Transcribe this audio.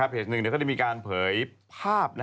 เพจหนึ่งที่มีการเผยภาพ